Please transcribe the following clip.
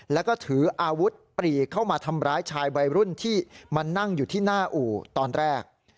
แล้วก็ถืออาวุธปรีเข้ามาทำร้ายชายวัยรุ่นที่มานั่งอยู่ที่หน้าอู่ตอนแรก